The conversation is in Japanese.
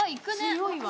強いわ。